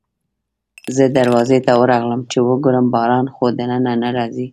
زه دروازې ته ورغلم چې وګورم باران خو دننه نه راځي.